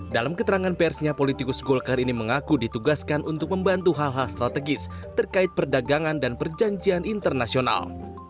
dalam keterangan persnya politikus golkar ini mengaku ditugaskan untuk membantu hal hal strategis terkait perdagangan dan perjanjian internasional